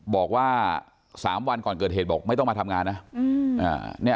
บอกว่า๓วันก่อนเกิดเหตุบอกไม่ต้องมาทำงานนะ